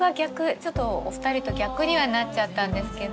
ちょっとお二人と逆にはなっちゃったんですけど。